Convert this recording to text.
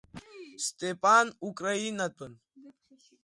Степан Украинатәын.